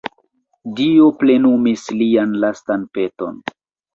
Dio plenumis lian lastan peton.